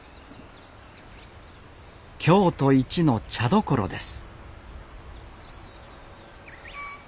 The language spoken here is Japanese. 京都一の茶どころです